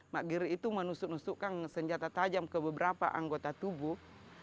maggir itu menusuk nusukkan senjata tajam ke beberapa anggota tubuh